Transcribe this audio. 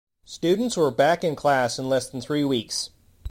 Students were back in class in less than three weeks.